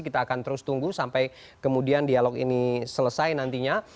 kita akan terus tunggu sampai kemudian dialog ini selesai nantinya